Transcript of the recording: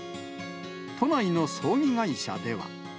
都内の葬儀会社では。